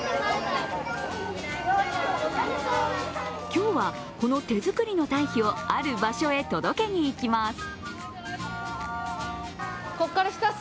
今日はこの手作りの堆肥をある場所へ届けにいきます。